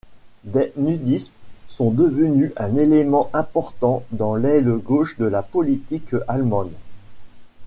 Des nudistes sont devenus un élément important dans l'Aile Gauche de la politique allemande.